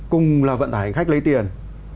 cùng là vận tải hành khách lấy tiền